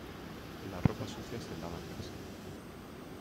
La ropa sucia se lava en casa.